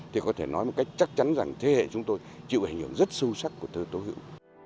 thì có thể nói một cách chắc chắn rằng thế hệ chúng tôi chịu hình ảnh hưởng rất sâu sắc của thơ tố hữu